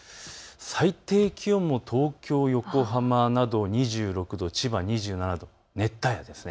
最低気温も東京、横浜など２６度、千葉２７度熱帯夜です。